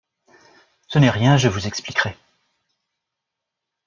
Ce n’est rien, je vous expliquerai.